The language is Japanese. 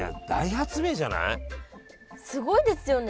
すごいですよね。